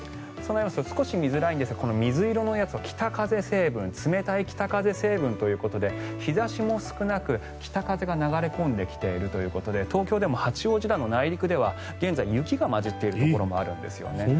そうなりますと少し見づらいんですがこの水色は北風成分冷たい北風成分ということで日差しも少なく北風が流れ込んできているということで東京でも八王子など内陸では現在雪が混じっているところもあるんですよね。